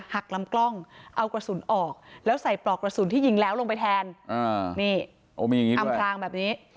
หักลำกล้องเอากระสุนออกแล้วใส่ปลอกกระสุนที่ยิงแล้วลงไปแทนนี่อำพลางแบบนี้